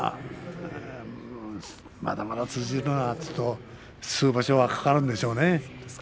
まだまだ通じるのはちょっと数場所かかるんでしょうね。